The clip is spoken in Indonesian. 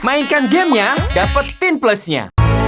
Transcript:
mainkan gamenya dapetin plusnya